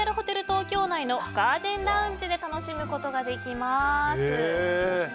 東京内のガーデンラウンジで楽しむことができます。